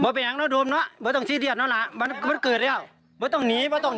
ไปช่วงกัน